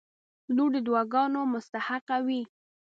• لور د دعاګانو مستحقه وي.